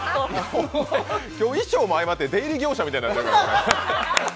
今日衣装も相まって出入り業者みたいになってる。